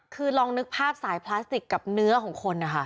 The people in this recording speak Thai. คือลองนึกภาพสายพลาสติกกับเนื้อของคนนะคะ